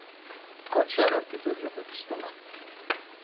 Kotxean aurkitu diote pistola.